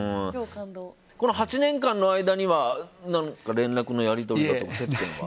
８年間の間には何か連絡のやり取りとかは。